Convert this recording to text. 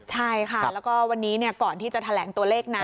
ใช่ค่ะแล้วก็วันนี้ก่อนที่จะแถลงตัวเลขนะ